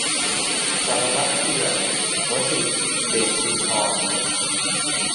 สารวัตรเถื่อน - วสิษฐ เดชกุญชร